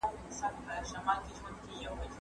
ته ولي لوښي وچوې